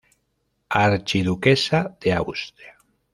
Archiduquesa de Austria.